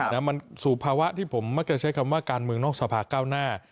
แล้วมันสู่ภาวะที่ผมเมื่อก็ใช้คำว่าการเมืองนอกสภาเก้าหน้า